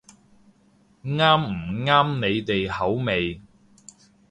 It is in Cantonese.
啱唔啱你哋口味